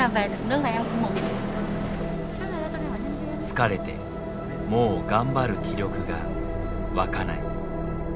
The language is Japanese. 「疲れてもう頑張る気力が湧かない」。